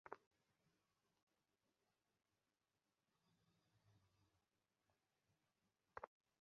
তিনি সিভিক্স ইনস্টিটিউটের সাথেও জড়িত ছিলেন।